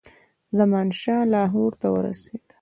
زمانشاه لاهور ته ورسېدی.